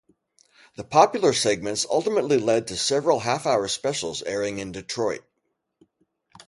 The popular segments ultimately led to several half-hour specials airing in Detroit.